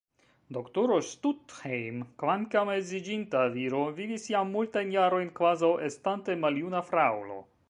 Doktoro Stuthejm, kvankam edziĝinta viro, vivis jam multajn jarojn kvazaŭ estante maljuna fraŭlo.